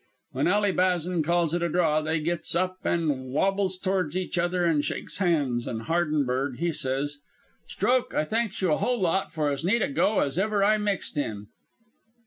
"When Ally Bazan calls it a draw, they gits up and wobbles toward each other an' shakes hands, and Hardenberg he says: "'Stroke, I thanks you a whole lot for as neat a go as ever I mixed in.'